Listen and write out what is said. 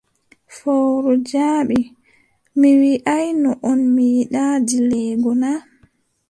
Fowru jaabi: Mi wiʼaayno on, mi yiɗaa dileego na?